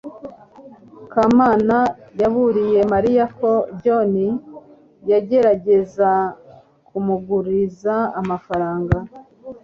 kamana yaburiye mariya ko john yagerageza kumuguriza amafaranga